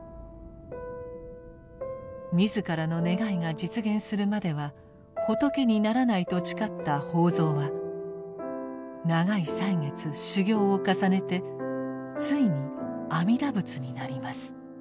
自らの願いが実現するまでは「仏にならない」と誓った法蔵は長い歳月修行を重ねてついに「阿弥陀仏」になります。